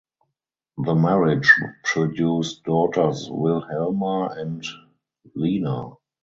The marriage produced daughters Wilhelma and Lina.